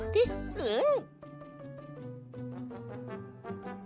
うん！